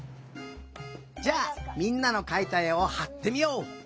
じゃあみんなのかいたえをはってみよう。